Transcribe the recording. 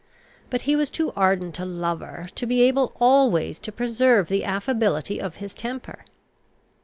But he was too ardent a lover, to be able always to preserve the affability of his temper.